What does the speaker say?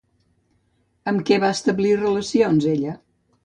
Amb què va establir relacions ella?